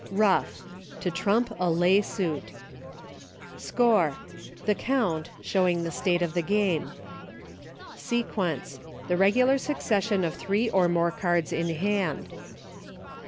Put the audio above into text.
Euff. To trump a lay suit. Score. The count, showing the state of the game. Sequence. The regular succession of three or more cards in hand.